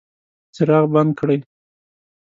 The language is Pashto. څراغ بند کړئ